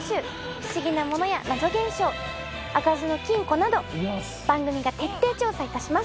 不思議なものや謎現象開かずの金庫など番組が徹底調査いたします。